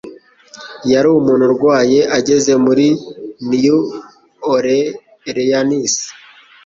Yari umuntu urwaye ageze muri New Orleans.